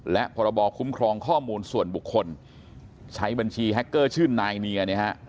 และพรบคุ้มครองข้อมูลส่วนบุคคลใช้บัญชีแฮคเกอร์ชื่อนายเนียเนี่ยฮะ